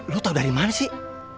lo tau dari mana sih